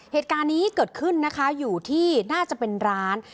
เหตุการณ์นี้เกิดขึ้นนะคะอยู่ที่น่าจะเป็นร้าน